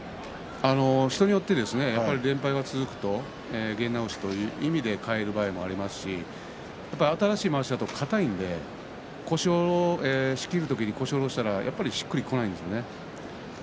人によっては連敗が続くと験直しという意味で替えることもありますし新しいまわしですとかたいので仕切る時、腰を下ろした時にしっくりこないですね。